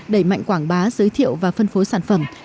đẩy mạnh quảng bá giới thiệu và phân phối sản phẩm